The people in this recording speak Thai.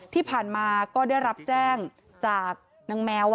ที่ผ่านมาก็ได้รับแจ้งจากนางแมว